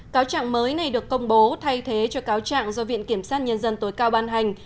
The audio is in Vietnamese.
cáo trạng mới này được công bố thay thế cho cáo trạng do viện kiểm sát nhân dân tối cao ban hành